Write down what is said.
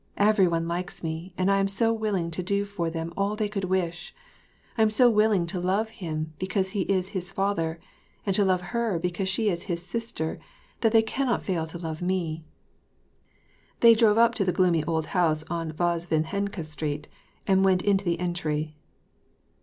" Every one likes me, and I am so willing to do for them all they coiUd wish ! I am so willing to love him because he is his father, and to love her because she is his sister, that they cannot fail to love me." They drove up to the gloomy old house on Vozdvizhenka Street, and went into the entry.